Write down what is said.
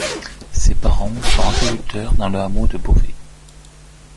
Ses parents sont agriculteurs dans le hameau de Beauvais.